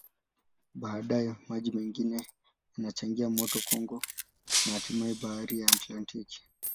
Baadaye, maji mengine yanachangia mto Kongo na hatimaye Bahari ya Atlantiki.